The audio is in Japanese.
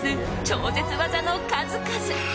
超絶技の数々。